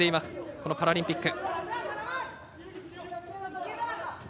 このパラリンピック。